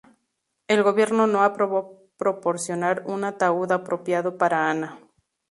El gobierno no aprobó proporcionar un ataúd apropiado para Ana.